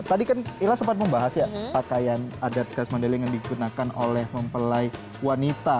tadi kan ila sempat membahas ya pakaian adat khas mandaling yang digunakan oleh mempelai wanita